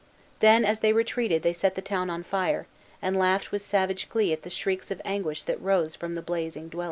Then, as they retreated, they set the town on fire, and laughed with savage glee at the shrieks of anguish that rose from the blazing dwellings.